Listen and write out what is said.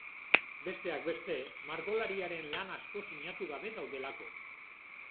Besteak beste margolariaren lan asko sinatu gabe daudelako.